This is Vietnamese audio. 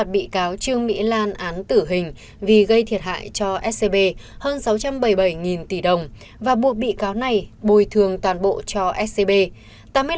bị cáo trương mỹ lan án tử hình vì gây thiệt hại cho scb hơn sáu trăm bảy mươi bảy tỷ đồng và buộc bị cáo này bồi thường toàn bộ cho scb